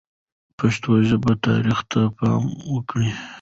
د پښتو ژبې تاریخ ته پام وکړئ.